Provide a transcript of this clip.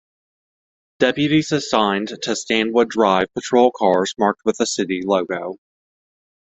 Deputies assigned to Stanwood drive patrol cars marked with the city logo.